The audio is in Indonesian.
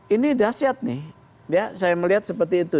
ini dahsyat nih ya saya melihat seperti itu